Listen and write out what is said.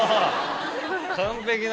完璧な。